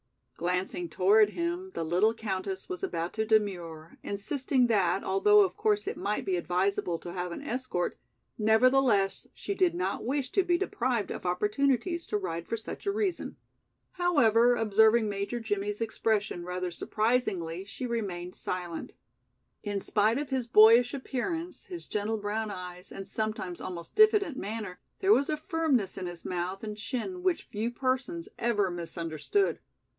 Glancing toward him, the little countess was about to demur, insisting that, although of course it might be advisable to have an escort, nevertheless, she did not wish to be deprived of opportunities to ride for such a reason. However, observing Major Jimmie's expression rather surprisingly she remained silent. In spite of his boyish appearance, his gentle brown eyes and sometimes almost diffident manner, there was a firmness in his mouth and chin which few persons ever misunderstood.